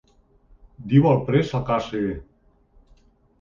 Diu el pres al carceller.